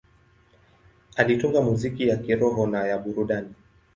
Alitunga muziki ya kiroho na ya burudani.